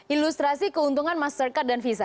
ilustrasi keuntungan mastercard dan visa